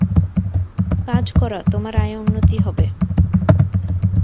কাজ করা, তোমার আয়-উন্নতি হবে।